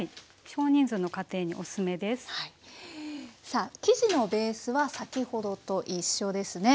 さあ生地のベースは先ほどと一緒ですね。